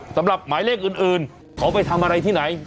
สำหรับหมายเลขอื่นเขาไปทำอะไรที่ไหน